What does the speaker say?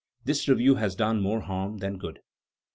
"This review has done more harm than good."